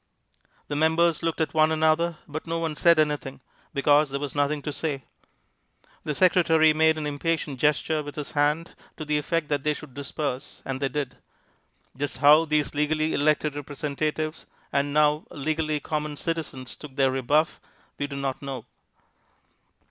The members looked at one another, but no one said anything, because there was nothing to say. The secretary made an impatient gesture with his hand to the effect that they should disperse, and they did. Just how these legally elected representatives and now legally common citizens took their rebuff we do not know.